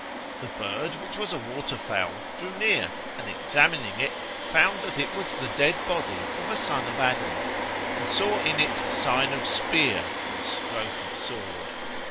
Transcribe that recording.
The bird, which was a water fowl, drew near and examining it, found that it was the dead body of a son of Adam and saw in it sign of spear and stroke of sword.